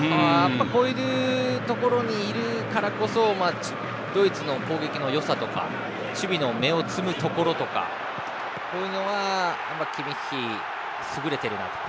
こういうところにいるからこそドイツの攻撃のよさとか守備の芽を摘むところとかというのはキミッヒは優れているなと。